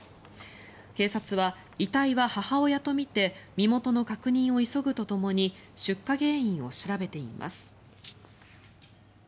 警察は遺体は母親とみて身元の確認を急ぐとともに出火原因を調べています。